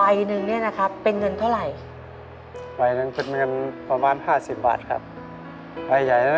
อันนี้เล่ียมถ้าการ